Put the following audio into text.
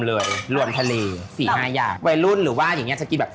เปิดร้านมากี่ปีแล้วนะครับ